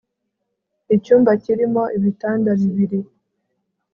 Icyumba kirimo ibitanda bibiri